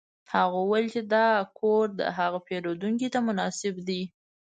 هغه وویل چې دا کور د هغه پیرودونکي ته مناسب دی